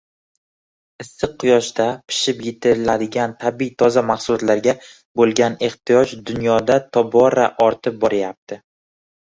issiq quyoshda pishib yetilgan tabiiy toza mahsulotlarga bo‘lgan ehtiyoj dunyoda tobora ortib boryapti